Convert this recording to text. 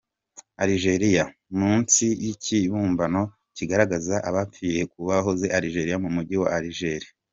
Algérie : Munsi y’Ikibumbano kigaragaza abapfiriye kubohoza Algeria mu mujyi wa Alger.